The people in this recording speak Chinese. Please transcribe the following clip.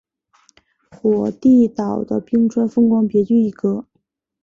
火地岛的冰川风光别具一格。